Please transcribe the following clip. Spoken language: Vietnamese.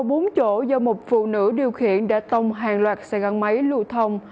có bốn chỗ do một phụ nữ điều khiển đã tông hàng loạt xe găng máy lưu thông